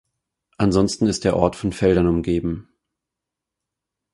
Ansonsten ist der Ort von Feldern umgeben.